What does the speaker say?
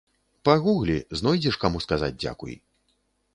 Пагуглі, знойдзеш каму сказаць дзякуй.